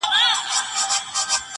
خو ځينې دودونه پاتې وي تل-